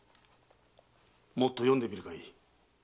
もっと読んでみるがよい。